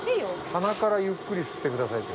「鼻からゆっくり吸ってください」。